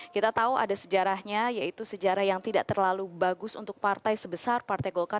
kita tahu ada sejarahnya yaitu sejarah yang tidak terlalu bagus untuk partai sebesar partai golkar